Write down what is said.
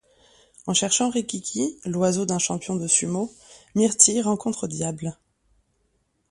En cherchant Riquiqui, l'oiseau d'un champion de sumo, Myrtil rencontre Diable.